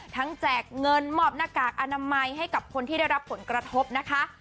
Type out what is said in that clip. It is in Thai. แจกเงินมอบหน้ากากอนามัยให้กับคนที่ได้รับผลกระทบนะคะ